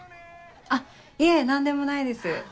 あっいえ何でもないです。